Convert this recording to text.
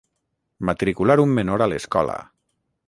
Matricular un menor a l'escola.